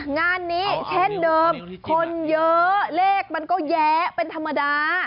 งานนี้เช่นเดิมคนเยอะเลขมันก็แยะเป็นธรรมดา